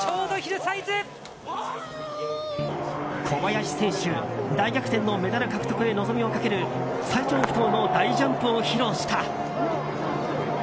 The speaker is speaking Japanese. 小林選手大逆転のメダル獲得へ望みをかける最長不倒の大ジャンプを披露した。